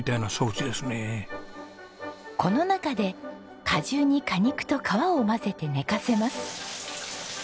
この中で果汁に果肉と皮を混ぜて寝かせます。